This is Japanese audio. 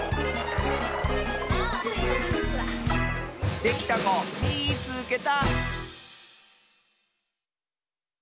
できたこみいつけた！